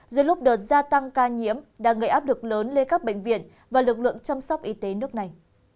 dưới lúc đợt gia tăng ca nhiễm đang gây áp lực lớn lên các bệnh viện và lực lượng chăm sóc y tế nước này